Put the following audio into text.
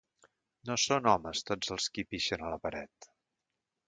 No són homes tots els qui pixen a la paret.